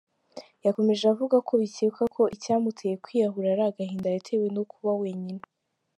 Yakomeje avuga ko bikekwa ko icyamuteye kwiyahura ari agahinda yatewe no kuba wenyine.